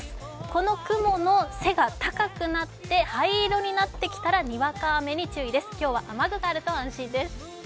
この雲の背が高くなって灰色になってきたらにわか雨に注意です、今日は雨具があると安心です。